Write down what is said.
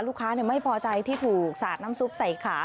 ลูกค้าไม่พอใจที่ถูกสาดน้ำซุปใส่ขา